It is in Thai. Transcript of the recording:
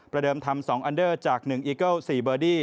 เดิมทำ๒อันเดอร์จาก๑อีเกิล๔เบอร์ดี้